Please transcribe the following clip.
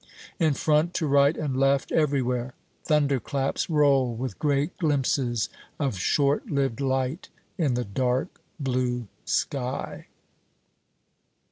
In front, to right and left, everywhere, thunderclaps roll with great glimpses of short lived light in the dark blue sky.